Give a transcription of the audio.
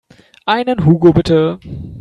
Einen Hugo bitte.